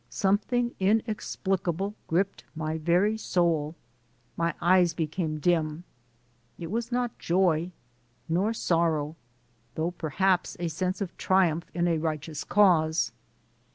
Something inexplicable gripped my very soul. My eyes became dim. It was not joy, nor sorrow, though perhaps a sense of triumph in a righteous cause.